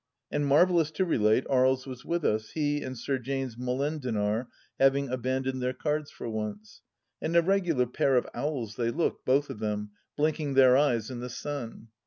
And marvellous to relate, Aries was with us, he and Sir James Molendinar having abandoned their cards for once. And a regular pair of owls they looked, both of them, blinking their eyes in the sun.